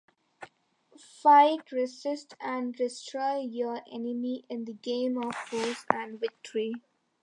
Fight, resist and destroy your enemy in the game of force and victory.